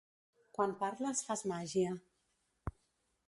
"Quan parles fas màgia"